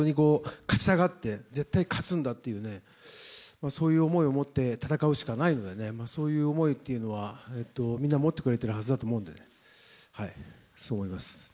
とにかく選手たちが本当にこう、勝ちたがって、絶対勝つんだっていうね、そういう思いを持って戦うしかないのでね、そういう思いっていうのは、みんな持ってくれてるはずだと思うので、そう思います。